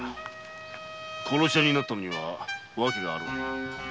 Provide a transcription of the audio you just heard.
殺し屋になったのには訳があるはずだ。